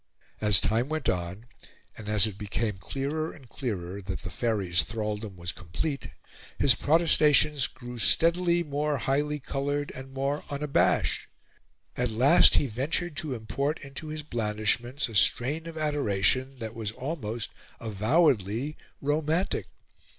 As time went on, and as it became clearer and clearer that the Faery's thraldom was complete, his protestations grew steadily more highly coloured and more unabashed. At last he ventured to import into his blandishments a strain of adoration that was almost avowedly romantic.